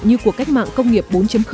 như của cách mạng công nghiệp bốn